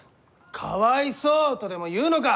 「かわいそう」とでも言うのか！？